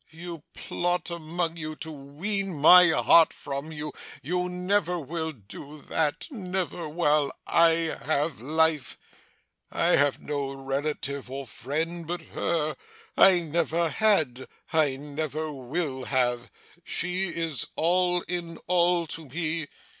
'You plot among you to wean my heart from her. You never will do that never while I have life. I have no relative or friend but her I never had I never will have. She is all in all to me.